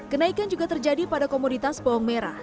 kenaikan juga terjadi pada komoditas bawang merah